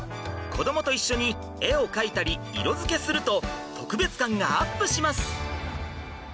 子どもと一緒に絵を描いたり色づけすると特別感がアップします！